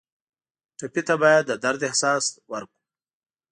ټپي ته باید د درد احساس درکړو.